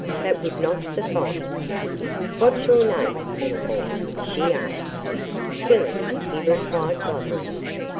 That would not suffice. "What's your name, little boy?" she asked. "Billy," he replied, blubbering.